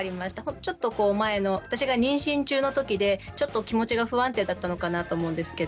ちょっと前の私が妊娠中の時でちょっと気持ちが不安定だったのかなと思うんですけど。